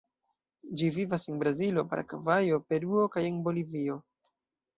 Ĝi vivas en Brazilo, Paragvajo, Peruo kaj en Bolivio.